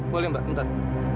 boleh mbak ntar